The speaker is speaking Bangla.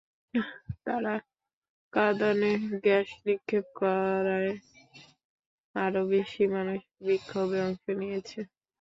তারা কাঁদানে গ্যাস নিক্ষেপ করায় আরও বেশি মানুষ বিক্ষোভে অংশ নিয়েছে।